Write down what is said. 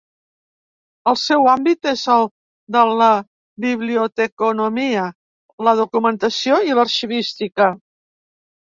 El seu àmbit és el de la biblioteconomia, la documentació i l'arxivística.